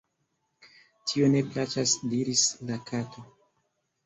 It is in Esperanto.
"Tio ne_ plaĉas," diris la Kato.